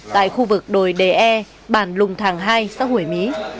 tại khu vực đồi đề e bản lùng thàng hai xã hủy mỹ